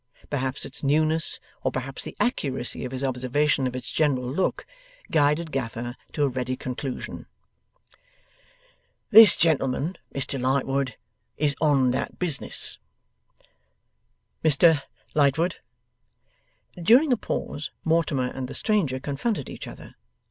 Perhaps its newness, or perhaps the accuracy of his observation of its general look, guided Gaffer to a ready conclusion. 'This gentleman, Mr Lightwood, is on that business.' 'Mr Lightwood?' During a pause, Mortimer and the stranger confronted each other.